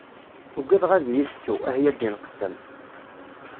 Ugadeɣ ad yi-tettu, ah ya ddin qessam!